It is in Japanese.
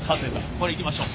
これいきましょう。